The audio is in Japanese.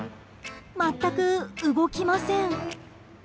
全く動きません。